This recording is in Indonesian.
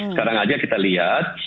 sekarang aja kita lihat